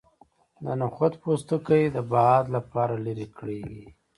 د نخود پوستکی د باد لپاره لرې کړئ